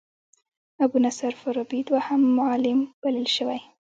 ابو نصر فارابي دوهم معلم بلل شوی.